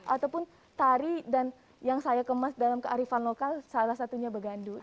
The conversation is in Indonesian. ataupun tari dan yang saya kemas dalam kearifan lokal salah satunya begandur